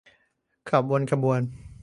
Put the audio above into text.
ขับวนขบวน